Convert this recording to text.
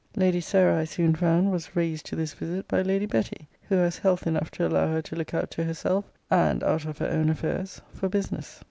Lady Sarah, I soon found, was raised to this visit by Lady Betty; who has health enough to allow her to look out to herself, and out of her own affairs, for business.